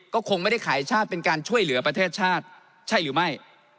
ก็คงไม่ได้ขายชาติเป็นการช่วยเหลือประเทศชาติใช่หรือไม่